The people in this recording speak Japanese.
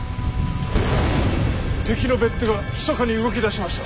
敵の別手がひそかに動き出しました。